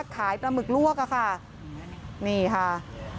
ปลาหมึกลวกอะค่ะนี่ค่ะ